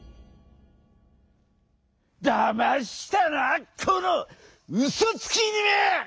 「だましたなこのうそつきいぬめ！」。